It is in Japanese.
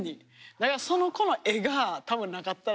だからその子の絵が多分なかったら。